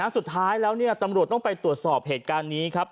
สุดท้ายแล้วตำรวจต้องไปตรวจสอบเหตุการณ์นี้ครับ